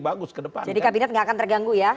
bagus ke depan